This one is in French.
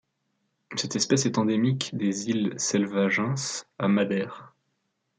Cette espèce est endémique des îles Selvagens à Madère.